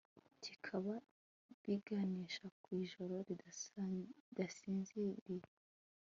bikaba biganisha ku ijoro ridasinziriye